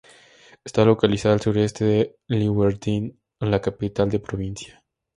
Está localizada al suroeste de Leeuwarden, la capital de la provincia.